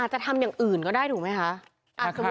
โยนทิ้งอย่างอื่นก็ได้ถูกไหมคะ